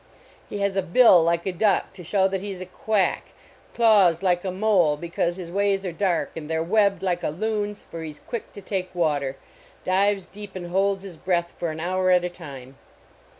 He has a bill like a duck to show that he s a quack, claws like a mole, because his ways are dark, and the} re webbed like a loon s, for he s quick to take water, dives deep and holds his breath for an hour at a time.